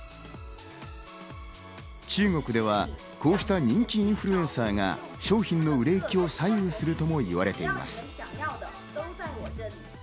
中国ではこうした人気インフルエンサーが商品の売れ行きを左右するとも言われています。